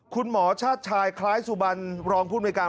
คุณหมอชาติชายคล้ายสุบัญรองพุทธอเมริกา